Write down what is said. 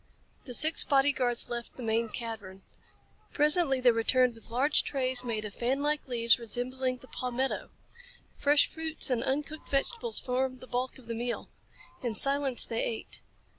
The six body guards left the main cavern. Presently they returned with large trays made of fanlike leaves resembling the palmetto. Fresh fruits and uncooked vegetables formed the bulk of the meal. In silence they ate.